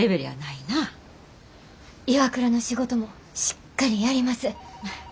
ＩＷＡＫＵＲＡの仕事もしっかりやります。